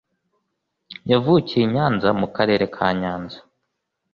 yavukiye i nyanza mu karere ka nyanza